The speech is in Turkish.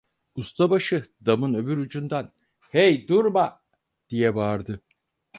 Ustabaşı damın öbür ucundan: "Hey… durma!" diye bağırdı.